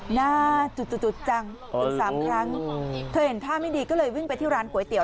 หน้าจุดจุดจังถึงสามครั้งเธอเห็นท่าไม่ดีก็เลยวิ่งไปที่ร้านก๋วยเตี๋